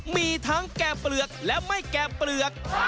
มีทั้งแก่เปลือกและไม่แก่เปลือก